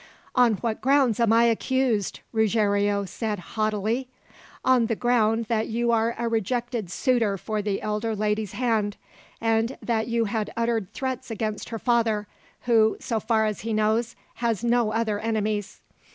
"On what grounds am I accused?" Ruggiero said haughtily. "On the ground that you are a rejected suitor for the elder lady's hand, and that you had uttered threats against her father, who, so far as he knows, has no other enemies."